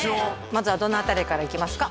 まずはどの辺りからいきますか？